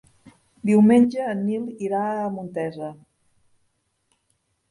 Diumenge en Nil irà a Montesa.